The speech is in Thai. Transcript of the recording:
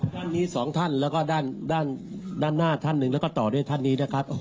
ท่านนี้สองท่านแล้วก็ด้านด้านหน้าท่านหนึ่งแล้วก็ต่อด้วยท่านนี้นะครับ